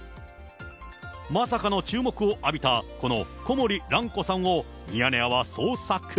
まさかの注目を浴びたこのコモリ・ランコさんをミヤネ屋は捜索。